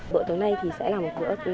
bữa tối nay thì sẽ là một bữa ăn đặc trưng